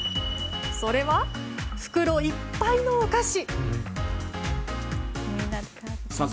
それは、袋いっぱいのお菓子。